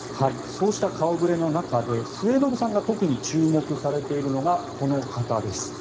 そうした顔触れの中で末延さんが特に注目されているのがこの方です。